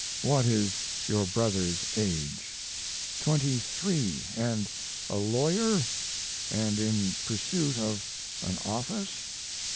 What is your brother's age? 23 and a lawyer? and in pursuit of an office?